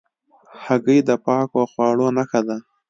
هګۍ د پاکو خواړو نښه ده.